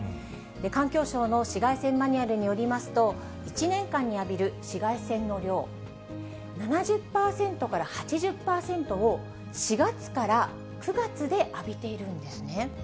環境省の紫外線マニュアルによりますと、１年間に浴びる紫外線の量、７０％から８０％を、４月から９月で浴びているんですね。